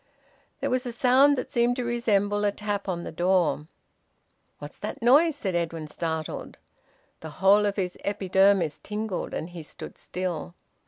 There was a sound that seemed to resemble a tap on the door. "What's that noise?" said Edwin, startled. The whole of his epidermis tingled, and he stood still.